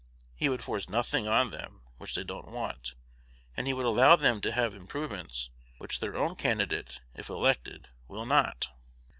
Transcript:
He would force nothing on them which they don't want; and he would allow them to have improvements which their own candidate, if elected, will not.